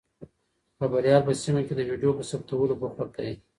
خبریال په سیمه کې د ویډیو په ثبتولو بوخت دی.